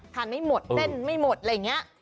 ไม่หมดเส้นไม่หมดอะไรอย่างนี้